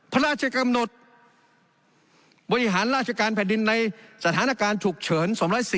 พระราชกำหนดบริหารราชการแผ่นดินในสถานการณ์ฉุกเฉิน๒๔